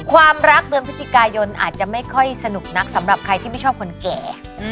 ความรักเดือนพฤศจิกายนอาจจะไม่ค่อยสนุกนักสำหรับใครที่ไม่ชอบคนแก่